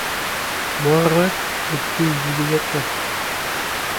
moarvat e teuy diwezhatoc'h.